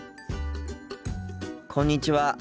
こんにちは。